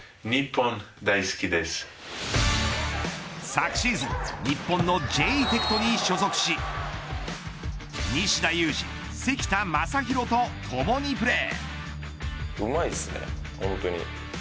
昨シーズン日本のジェイテクトに所属し西田有志、関田誠大と共にプレー。